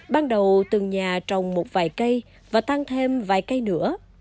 ban đầu từng nhà trồng một vài cây và tăng thêm vài cây nữa